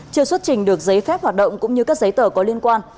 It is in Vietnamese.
chưa xuất trình được giấy phép hoạt động cũng như các giấy tờ có liên quan